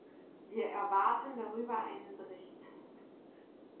Wir erwarten darüber einen Bericht.